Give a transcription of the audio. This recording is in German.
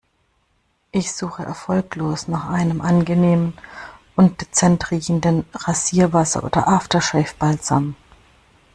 Ich suche erfolglos nach einem angenehm und dezent riechenden Rasierwasser oder After-Shave-Balsam.